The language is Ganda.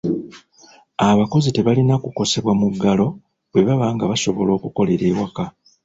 Abakozi tebalina kukosebwa muggalo bwe baba nga basobola okukolera ewaka.